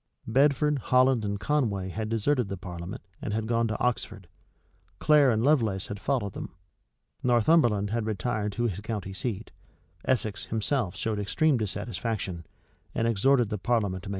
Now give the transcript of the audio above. [] Bedford, Holland, and Conway had deserted the parliament, and had gone to Oxford; Clare and Lovelace had followed them.[] Northumberland had retired to his country seat: Essex himself showed extreme dissatisfaction, and exhorted the parliament to make peace.